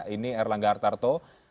ini erlangga hartarto